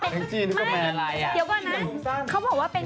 แต่เค้าบอกว่า